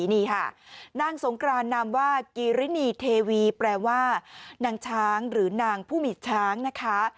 นี่ค่ะนางสงกรานนามว่ากีรินีเทวีแปลว่านางช้างหรือนางผู้มีช้างนะคะ